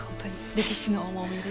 歴史の重みです。